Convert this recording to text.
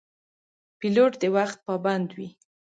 پیلوټ د وخت پابند وي.